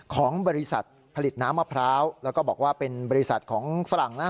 ของบริษัทผลิตน้ำมะพร้าวแล้วก็บอกว่าเป็นบริษัทของฝรั่งนะ